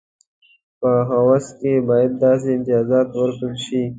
په عوض کې باید داسې امتیازات ورکړل شي.